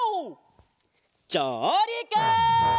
じょうりく！